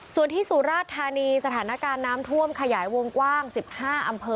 ส่วนที่สุราชธานีสถานการณ์น้ำท่วมขยายวงกว้าง๑๕อำเภอ